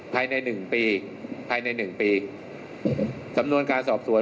ภายในหนึ่งปีภายในหนึ่งปีสำนวนการสอบสวน